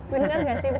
bener gak sih